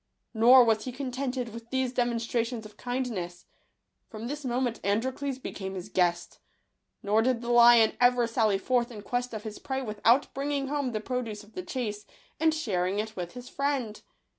Nor was he contented with these demonstrations of kindness. From this moment Androcles became his guest ; nor did the lion ever sally forth in quest of his prey without bringing home the produce of the chase, and sharing it with his friend.